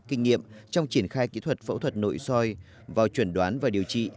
kinh nghiệm trong triển khai kỹ thuật phẫu thuật nội soi vào chuẩn đoán và điều trị